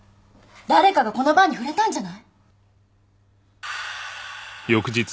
誰かがこのバーに触れたんじゃない？